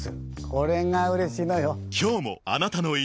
これがうれしいのよ。